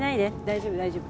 大丈夫大丈夫。